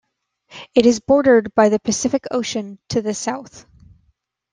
It is bordered by the Pacific Ocean to the south.